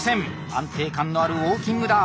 安定感のあるウォーキングだ。